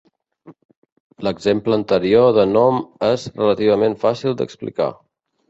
L'exemple anterior de nom és relativament fàcil d'explicar.